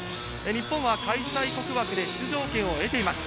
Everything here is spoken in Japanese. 日本は開催国枠で出場権を得ています。